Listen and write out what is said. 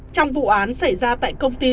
trong vụ án xảy ra tại công ty